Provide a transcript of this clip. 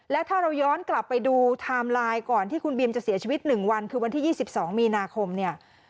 และถ้าเราย้อนกลับไปดูไทม์ไลน์ก่อนที่คุณบีมจะเสียชีวิต๑วันคือวันที่๒๒มีนาคมเนี่ย